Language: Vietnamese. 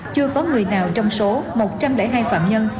chưa có người nào trong số một trăm linh hai phạm nhân